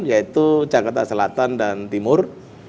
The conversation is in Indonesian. yaitu jakarta selatan dan timur